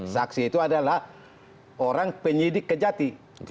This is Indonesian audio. saksi itu adalah orang penyidik kejati